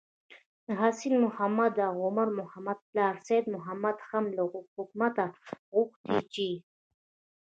د حسين محمد او عمر محمد پلار سيد محمد هم له حکومته غوښتي چې: